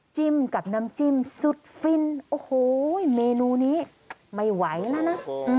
กับน้ำจิ้มสุดฟินโอ้โหเมนูนี้ไม่ไหวแล้วนะ